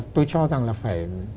tôi cho rằng là phải